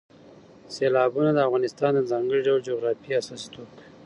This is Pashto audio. سیلابونه د افغانستان د ځانګړي ډول جغرافیې استازیتوب کوي.